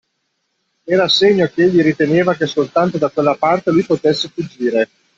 Era segno ch'egli riteneva che soltanto da quella parte lui potesse fuggire.